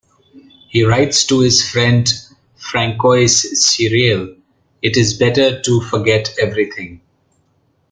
He writes to his friend Francois Seurel: "It is better to forget everything".